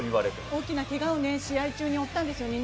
大きなけがを試合中に負ったんですよね。